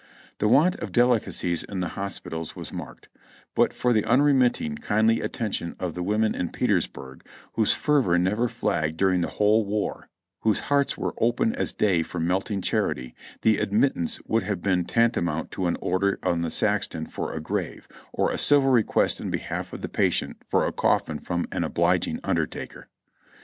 The want of delicacies in the hospitals was marked ; but for the unremitting, kindly attention of the women in Peters burg, whose fervor never flagged during the whole war, whose hearts were "open as day for melting charity," the admittance would have been tantamount to an order on the sexton for a grave, or a civil request in behalf of the patient for a coi^n from the obliging undertaker.